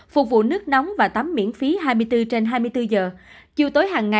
phục vụ nước nóng và tắm miễn phí hai mươi bốn trên hai mươi bốn giờ